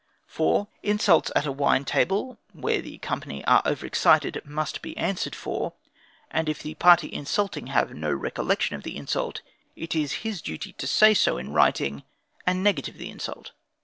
4. Insults at a wine table, when the company are over excited, must be answered for; and if the party insulting have no recollection of the insult, it is his duty to say so in writing, and negative the insult.